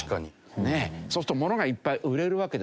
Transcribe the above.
そうするとものがいっぱい売れるわけですよ。